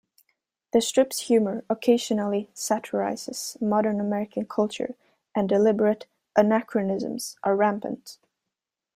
The strip's humor occasionally satirizes modern American culture, and deliberate anachronisms are rampant.